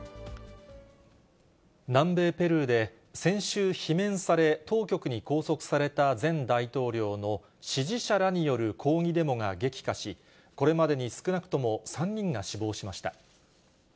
南米ペルーで、先週罷免され、当局に拘束された前大統領の支持者らによる抗議デモが激化し、これまでに少なくとも３人が死亡しました。